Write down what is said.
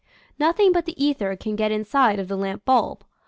Nothing but the ether can get inside of the lamp bulb.